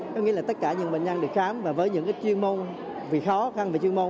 có nghĩa là tất cả những bệnh nhân được khám và với những chuyên môn về khó khăn về chuyên môn